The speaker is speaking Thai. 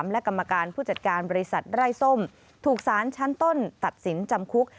และกรรมการผู้จัดการบริษัทไร้ส้มถูกสารชั้นต้นตัดสินจำคุก